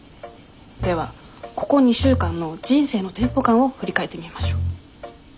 ではここ２週間の人生のテンポ感を振り返ってみましょう。